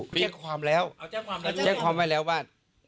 แจ้งความแล้วแจ้งความว่า